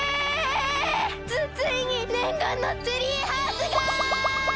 つついにねんがんのツリーハウスが！